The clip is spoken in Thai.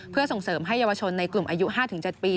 เพื่อส่งเสริมให้เยาวชนในกลุ่มอายุ๕๗ปี